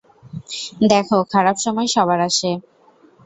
দেখ, খারাপ সময় সবার আসে।